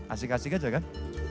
asik asik aja kan